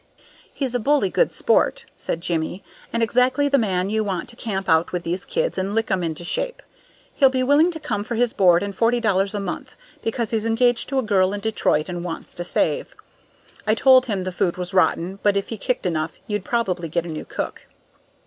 "He's a bully good sport," said Jimmie, "and exactly the man you want to camp out with those kids and lick 'em into shape. He'll be willing to come for his board and forty dollars a month, because he's engaged to a girl in Detroit and wants to save. I told him the food was rotten, but if he kicked enough, you'd probably get a new cook."